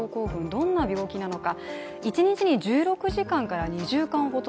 どんな病気なのか。